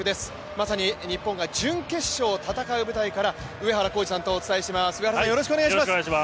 まさに日本が準決勝で戦う舞台から上原浩治さんとお伝えしてまいります。